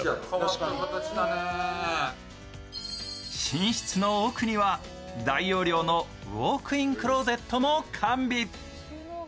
寝室の奥には大容量のウォークインクローゼットも完備。